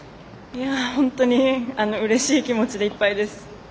本当にうれしい気持ちでいっぱいです。